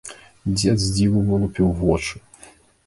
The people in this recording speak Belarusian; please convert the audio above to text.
Дзед з дзіву вылупіў вочы.